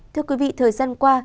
thưa quý vị thời gian qua